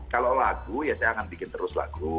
kalau lagu ya saya akan bikin terus lagu